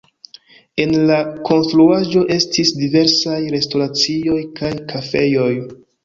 En la konstruaĵo estis diversaj restoracioj kaj kafejoj.